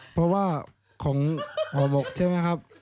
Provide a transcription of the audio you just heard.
เพราะว่าของหมอบกใช่ไหมครับ